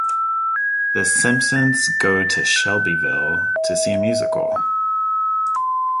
The Simpsons go to Shelbyville to see a musical.